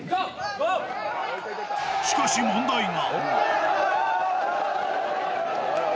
しかし、問題が。